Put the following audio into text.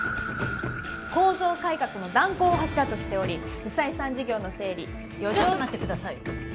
構造改革の断行を柱としており不採算事業の整理ちょっと待ってください